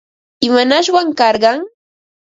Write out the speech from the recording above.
¿Imanashwan karqan?